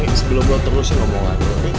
eh sebelum gue terus ngomongan